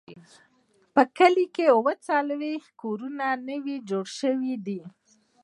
په کلي کې اووه څلوېښت کورونه نوي جوړ شوي دي.